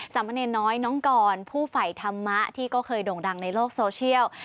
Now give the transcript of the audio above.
มะเนรน้อยน้องกรผู้ไฝธรรมะที่ก็เคยโด่งดังในโลกโซเชียล